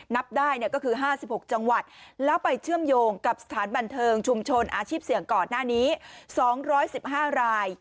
นับได้ก็คือ๕๖จังหวัดแล้วไปเชื่อมโยงกับสถานบันเทิงชุมชนอาชีพเสี่ยงก่อนหน้านี้๒๑๕ราย